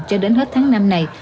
cho đến hết tháng năm này